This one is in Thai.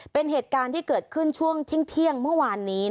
เป็นเหตุการณ์ที่เกิดขึ้นช่วงเที่ยงเมื่อวานนี้